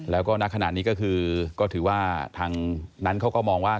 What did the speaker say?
แล้วก็ณขณะนี้ก็คือก็ถือว่าทางนั้นเขาก็มองว่า